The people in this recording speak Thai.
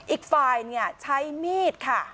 อีกฝ่ายเนี่ยใช้มีดค่ะ